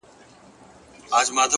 ورته ښېراوي هر ماښام كومه!